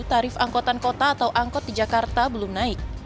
tarif angkutan kota atau angkot di jakarta belum naik